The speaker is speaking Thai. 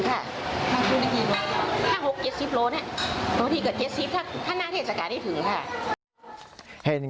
นาทิสตีปก็ถึง๗๐กิโลเมตรมาถึงค่ะนาทิสตุนี้กี่โลเมตร